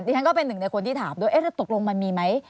คุณผู้ชมก็เป็นหนึ่งที่ถามด้วยเอ๊ะแล้วตกลงมันมีไหม